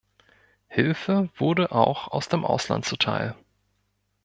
Hilfe wurde auch aus dem Ausland zuteil.